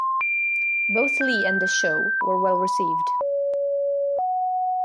Both Lee and the show were well received.